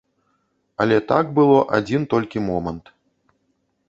Але так было адзін толькі момант.